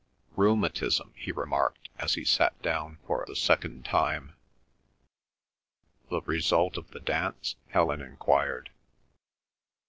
"Rheumatism," he remarked, as he sat down for the second time. "The result of the dance?" Helen enquired.